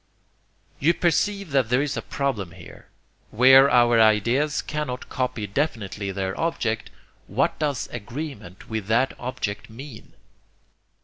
You perceive that there is a problem here. Where our ideas cannot copy definitely their object, what does agreement with that object mean?